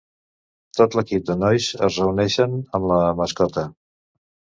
Tot l'equip de nois es reuneixen amb la mascota